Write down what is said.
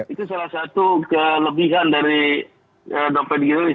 itu salah satu kelebihan dari dompet digital